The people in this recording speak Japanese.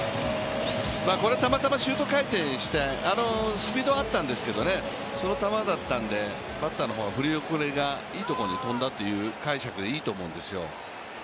たまたまシュート回転してスピードあったんですけど、その球だったんでバッターの方が振り遅れがいいところに飛んだっていう解釈でいいと思うんですよ。